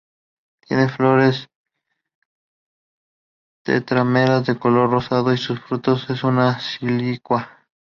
Tiene flores tetrámeras de color rosado y su fruto es una silicua.